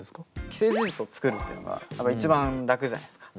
既成事実を作るっていうのが一番楽じゃないですか。